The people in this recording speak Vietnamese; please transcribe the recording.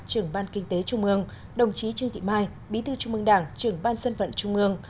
trưởng ban kinh tế trung ương đồng chí trương thị mai bí thư trung mương đảng trưởng ban dân vận trung ương